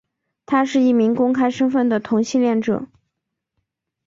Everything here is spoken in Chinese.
他是一名公开身份的同性恋者。